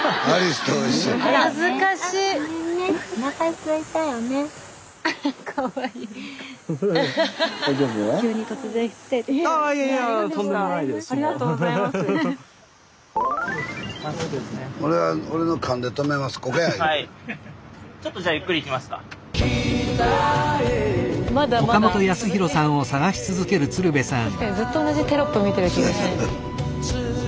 スタジオ確かにずっと同じテロップ見てる気がする。